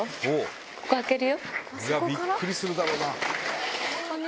ここ開けるよ。